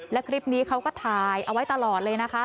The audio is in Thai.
และคลิปนี้เขาก็ถ่ายเอาไว้ตลอดเลยนะคะ